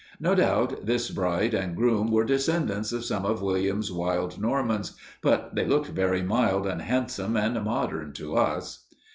No doubt this bride and groom were descendants of some of William's wild Normans, but they looked very mild and handsome and modern, to us.